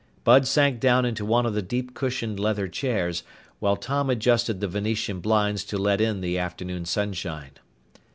Bud sank down into one of the deep cushioned leather chairs, while Tom adjusted the Venetian blinds to let in the afternoon sunshine.